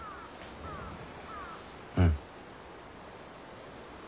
うん。